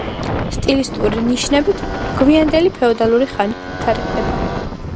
სტილისტური ნიშნებით გვიანდელი ფეოდალური ხანით თარიღდება.